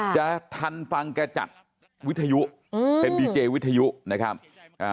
จะทันฟังแกจัดวิทยุเป็นดีเจวิทยุนะครับ